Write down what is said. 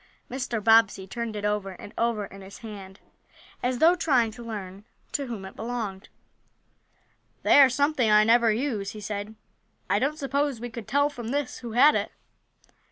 Mr. Bobbsey turned it over and over in his hand, as though trying to learn to whom it belonged. "They are something I never use," he said. "I don't suppose we could tell, from this, who had it?"